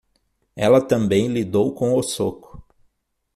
Ela também lidou com o soco.